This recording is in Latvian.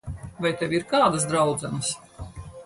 Vai tev ir kādas draudzenes?